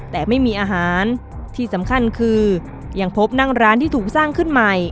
แต่ไม่มีอาหารที่สำคัญคือยังพบนั่งร้านที่ถูกสร้างขึ้นใหม่